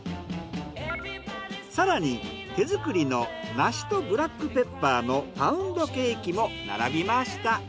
更に手作りの梨とブラックペッパーのパウンドケーキも並びました。